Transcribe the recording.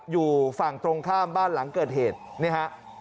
อยู่ฝั่งตรงข้ามบ้านหลังเกิดเหตุนี่ฮะ